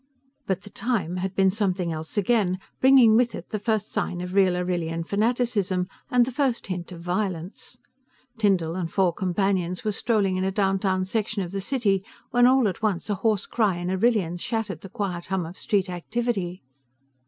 But The Time had been something else again, bringing with it, the first sign of real Arrillian fanaticism and the first hint of violence. Tyndall and four companions were strolling in a downtown section of the city, when all at once a hoarse cry in Arrillian shattered the quiet hum of street activity.